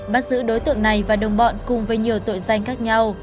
bắt giữ đối tượng này và đồng bọn cùng với nhiều tội danh khác nhau